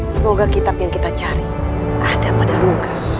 semoga kitab yang kita cari ada pada ruka